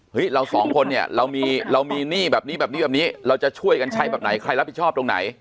เราสองคนเนี่ยเรามีหนี้แบบนี้แบบนี้แบบนี้เราจะช่วยกันใช้แบบไหนใครรับผิดชอบตรงไหน